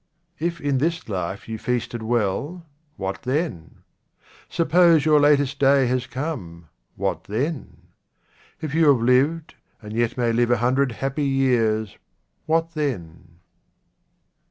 If in this life you feasted well, what then ? Suppose your latest day has come, what then ? If you have lived and yet may live a hundred hundred happy years, what then